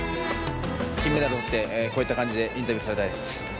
金メダルとって、こういった感じでインタビューされたいです。